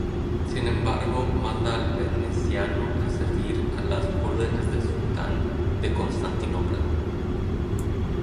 Sin embargo manda al veneciano a servir a las órdenes del Sultán de Constantinopla.